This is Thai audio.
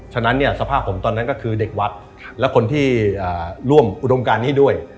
ฉะนั้นเนี่ยสภาพผมตอนนั้นก็คือเด็กวัดและคนที่ร่วมอุดมการนี้ด้วย